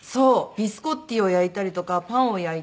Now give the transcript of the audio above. ビスコッティを焼いたりとかパンを焼いて。